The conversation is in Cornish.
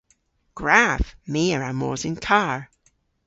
Gwrav! My a wra mos yn karr.